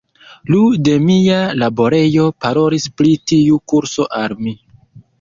Iu de mia laborejo parolis pri tiu kurso al mi.